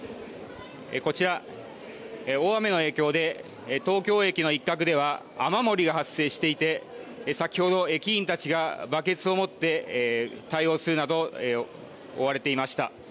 こちら大雨の影響で東京駅の一角では雨もりが発生していて先ほど駅員たちがバケツを持って対応するなど追われていました。